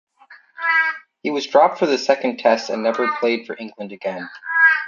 He was dropped for the second Test and never played for England again.